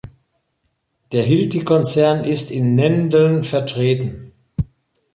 Der Hilti-Konzern ist in Nendeln vertreten.